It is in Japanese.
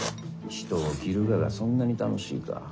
人を斬るががそんなに楽しいか？